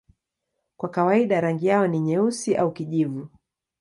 Kwa kawaida rangi yao ni nyeusi au kijivu.